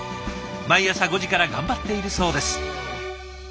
毎朝５時から頑張っているそうです。